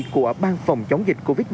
của bang phòng